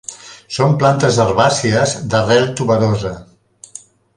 Són plantes herbàcies d'arrel tuberosa.